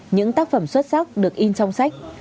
những tác phẩm xuất sắc được in trong sách